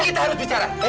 kita harus bicara